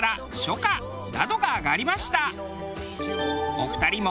お二人も